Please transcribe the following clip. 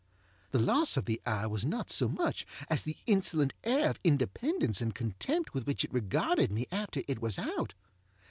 The loss of the eye was not so much as the insolent air of independence and contempt with which it regarded me after it was out.